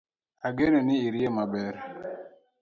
Ageno ni iriyo maber